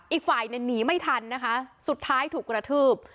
อีกฝ่ายหนีไม่ทันสุดท้ายถูกกระทืบ